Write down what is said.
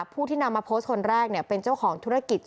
ผู้ที่นำมาโพสต์คนแรกเป็นเจ้าของธุรกิจ